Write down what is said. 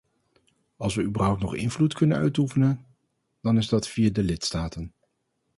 Als we überhaupt nog invloed kunnen uitoefenen, dan is dat via de lidstaten.